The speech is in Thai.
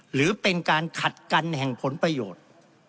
หรือเป็นการขัดกันแห่งผลประโยชน์